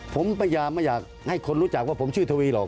ผมพยายามไม่อยากให้คนรู้จักว่าผมชื่อทวีหรอก